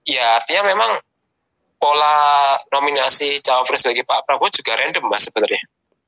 ya artinya memang pola nominasi cawapres bagi pak prabowo juga random mas sebenarnya